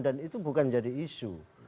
dan itu bukan jadi isu